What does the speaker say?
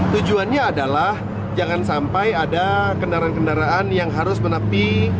tujuannya adalah jangan sampai ada kendaraan kendaraan yang harus menepi